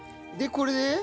でこれで？